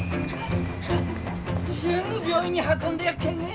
すぐ病院に運んでやっけんね。